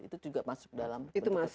itu juga masuk dalam bentuk kekerasan